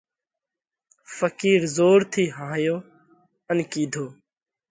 ڦقِير زور ٿِي هاهيو ان ڪِيڌو: